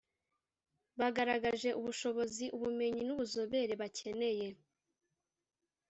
Bagaragaje ubushobozi ubumenyi n’ubuzobere bakeneye